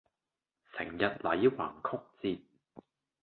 成日捩橫曲折